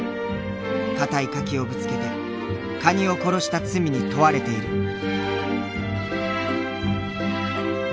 かたい柿をぶつけてカニを殺した罪に問われている。